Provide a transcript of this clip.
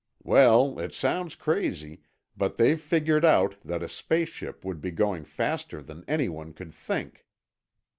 "Well, it sounds crazy, but they've figured out that a space ship would be going faster than anyone could think."